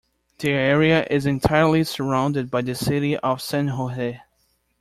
The area is entirely surrounded by the City of San Jose.